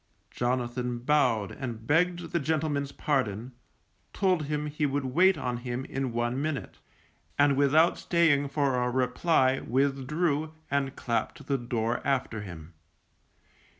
Jonathan bowed and begged the gentleman's pardon, told him he would wait on him in one minute, and without staying for a reply withdrew, and clapped the door after him.